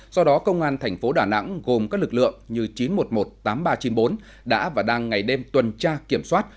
do đó công an thành phố đà nẵng gồm các lực lượng như chín trăm một mươi một tám nghìn ba trăm chín mươi bốn đã và đang ngày đêm tuần tra kiểm soát